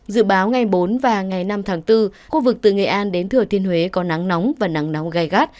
dự báo ngày bốn và ngày năm tháng bốn khu vực từ nghệ an đến thừa thiên huế có nắng nóng và nắng nóng gai gắt